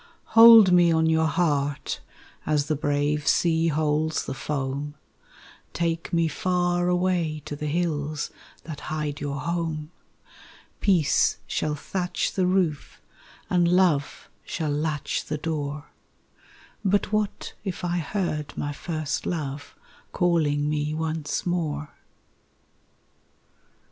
_ Hold me on your heart as the brave sea holds the foam, Take me far away to the hills that hide your home; Peace shall thatch the roof and love shall latch the door _But what if I heard my first love calling me once more?